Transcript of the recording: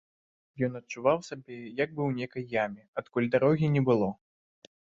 Ён адчуваў сябе як бы ў нейкай яме, адкуль дарогі не было.